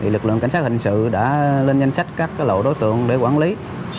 lực lượng cảnh sát hình sự đã lên danh sách các lộ đối tượng để quản lý